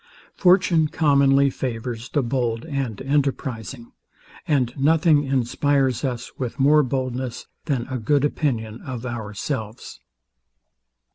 Fortune commonly favours the bold and enterprizing; and nothing inspires us with more boldness than a good opinion of ourselves.